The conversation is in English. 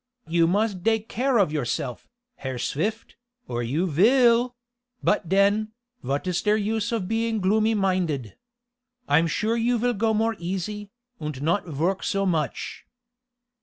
You must dake care of yourself, Herr Swift, or you vill but den, vot is der use of being gloomy minded? I am sure you vill go more easy, und not vork so much."